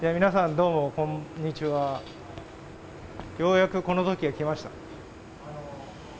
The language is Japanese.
ようやくこの時が来ましたね。